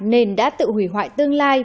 nên đã tự hủy hoại tương lai